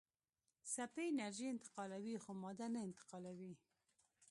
څپې انرژي انتقالوي خو ماده نه انتقالوي.